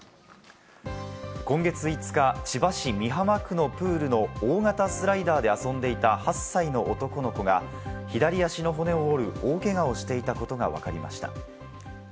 今月５日、千葉市美浜区のプールの大型スライダーで遊んでいた８歳の男の子が左足の骨を折る大怪我をしていたことがわかりました。